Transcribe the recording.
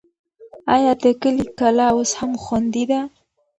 آیا د کلي کلا اوس هم خوندي ده؟